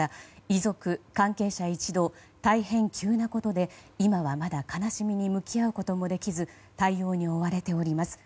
遺族、関係者一同大変急なことで今はまだ悲しみに向き合うこともできず対応に追われております。